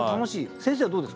先生はどうですか？